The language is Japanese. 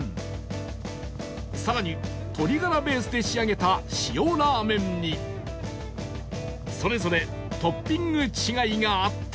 さらに鶏ガラベースで仕上げた塩らあめんにそれぞれトッピング違いがあって